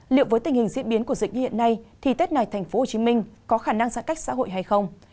liệu với tình hình diễn biến của dịch như hiện nay thì tết này tp hcm có khả năng giãn cách xã hội hay không